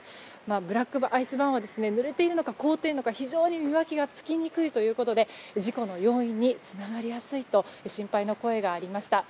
ブラックアイスバーンはぬれているのか凍っているのか非常に見分けがつきにくいということで事故の要因につながりやすいと心配の声がありました。